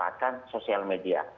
manfaatkan sosial media